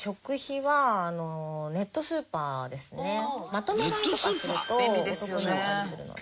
まとめ買いとかするとお得になったりするので。